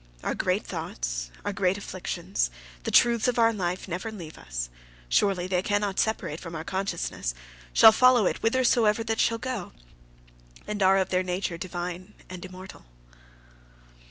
Our great thoughts, our great affections, the Truths of our life, never leave us. Surely, they cannot separate from our consciousness; shall follow it whithersoever that shall go; and are of their nature divine and immortal.